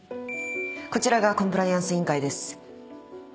こちらがコンプライアンス委員会です。